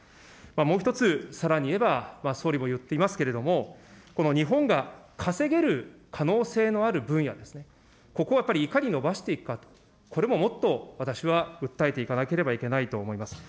もう１つ、さらに言えば、総理も言っていますけれども、この日本が稼げる可能性のある分野ですね、ここをやっぱりいかに伸ばしていくかと、これももっと私は訴えていかなければいけないと思います。